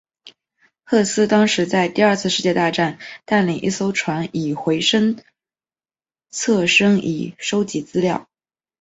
赫斯当时在第二次世界大战带领一艘船以回声测深仪收集资料。